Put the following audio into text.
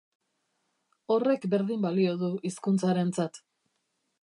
Horrek berdin balio du hizkuntzarentzat.